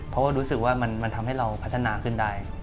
เพราะว่ารู้สึกว่ามันทำให้เราพัฒนาขึ้นได้